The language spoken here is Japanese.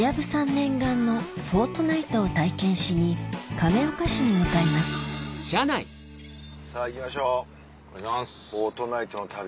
念願の『フォートナイト』を体験しに亀岡市に向かいますさぁ行きましょう『フォートナイト』の旅。